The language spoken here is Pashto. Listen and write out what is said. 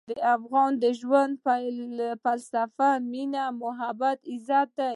د افغان د ژوند فلسفه مینه، محبت او عزت دی.